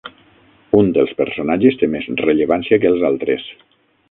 Un dels personatges té més rellevància que els altres.